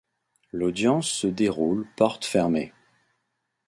L'audience se déroule porte fermée.